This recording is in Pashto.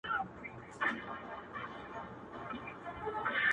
يوه سپي مېچنه څټله، بل ئې کونه څټله.